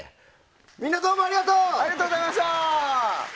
みんなどうもありがとう！